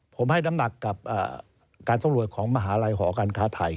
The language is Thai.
ผมให้น้ำหนักกับการสำรวจของมหาลัยหอการค้าไทย